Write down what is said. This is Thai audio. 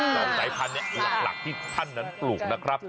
การไขพันธุ์นี้หลักที่ท่านนั้นปลูกนะครับ